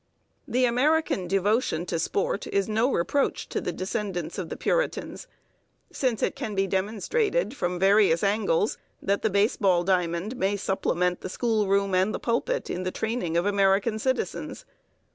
The American devotion to sport is no reproach to the descendants of the Puritans, since it can be demonstrated from various angles that the baseball diamond may supplement the schoolroom and the pulpit in the training of American citizens.